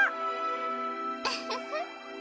ウフフッ！